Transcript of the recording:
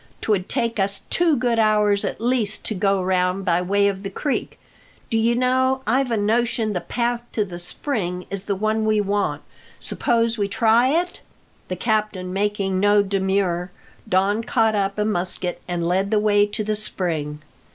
'Twould take us two good hours at least to go round by way of the creek. Do you know, I've a notion the path to the spring is the one we want. Suppose we try it?" The captain making no demur, Don caught up a musket and led the way to the spring.